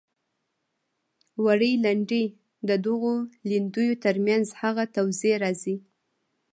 وړې لیندۍ د دغو لیندیو تر منځ هغه توضیح راځي.